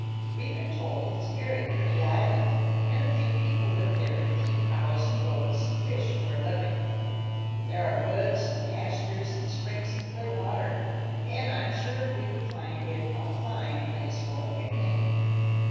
We've been told it's a very pretty island, and a few people live there and keep cows and goats, and fish for a living. There are woods and pastures and springs of clear water, and I'm sure we would find it a fine place for a picnic."